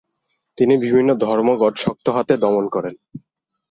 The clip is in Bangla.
তিনি বিভিন্ন ধর্মঘট শক্ত হাতে দমন করেন।